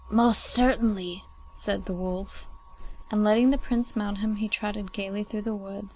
'Most certainly,' said the wolf, and, letting the Prince mount him, he trotted gaily through the wood.